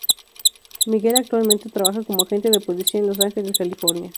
Miguel actualmente trabaja como agente de policía en Los Ángeles, California.